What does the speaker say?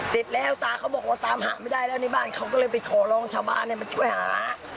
เสร็จแล้วตาเขาบอกว่าตามหาไม่ได้แล้วในบ้านเขาก็เลยไปขอร้องชาวบ้านให้มาช่วยหา